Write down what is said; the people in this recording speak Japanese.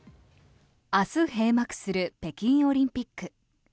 明日閉幕する北京オリンピック。